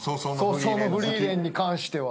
『葬送のフリーレン』に関しては。